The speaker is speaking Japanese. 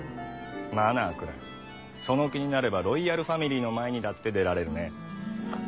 「マナー」くらいその気になればロイヤルファミリーの前にだって出られるね。